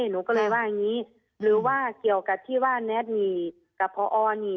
หนูก็เลยว่าอย่างนี้หรือว่าเกี่ยวกับที่ว่าแน็ตนี่กับพอนี่